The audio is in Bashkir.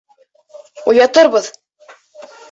Уятырбыҙ.